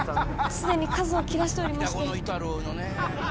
既に数を切らしておりまして。